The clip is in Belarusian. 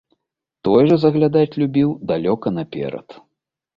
Той жа заглядаць любіў далёка наперад.